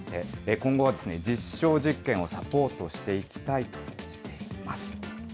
今後はですね、実証実験をサポートしていきたいとしています。